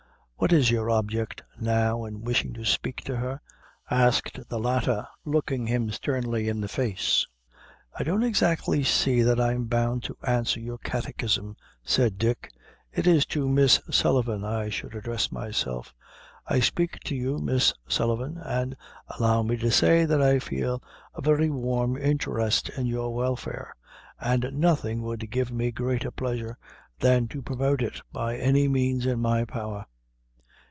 "What is your object, now, in wishin' to spake to her?" asked the latter, looking him sternly in the face. "I don't exactly see that I'm bound to answer your catechism," said Dick; "it is to Miss Sullivan I would address myself. I speak to you, Miss Sullivan; and, allow me to say, that I feel a very warm interest in your welfare, and nothing would give me greater pleasure than to promote it by any means in my power."